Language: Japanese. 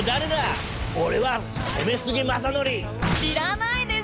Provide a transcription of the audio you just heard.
知らないです！